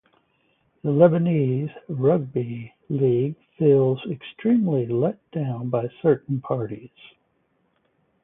The Lebanese rugby league feels extremely let down by certain parties.